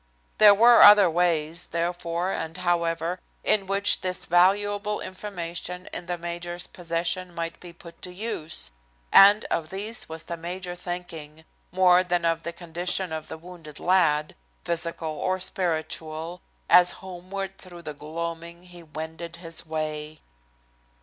There were other ways, therefore and however, in which this valuable information in the major's possession might be put to use, and of these was the major thinking, more than of the condition of the wounded lad, physical or spiritual, as homeward through the gloaming he wended his way.